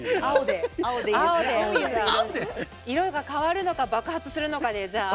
色が変わるのか爆発するのかでじゃあ。